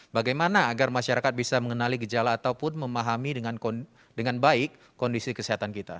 bagaimana agar masyarakat bisa mengenali gejala ataupun memahami dengan baik kondisi kesehatan kita